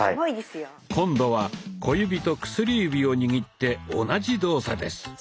今度は小指と薬指を握って同じ動作です。